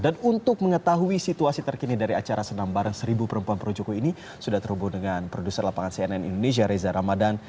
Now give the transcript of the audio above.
dan untuk mengetahui situasi terkini dari acara senam barang seribu perempuan pro jokowi ini sudah terhubung dengan produser lapangan cnn indonesia reza ramadan